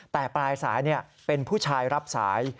แต่ปลายสายเป็นผู้ชายรับสาย